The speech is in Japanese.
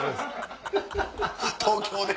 東京で。